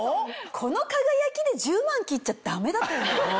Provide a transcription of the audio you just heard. この輝きで１０万切っちゃダメだと思う。